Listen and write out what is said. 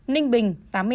ninh bình tám mươi tám